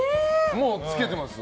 もうつけてます？